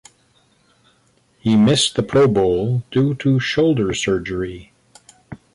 He missed the Pro Bowl due to shoulder surgery.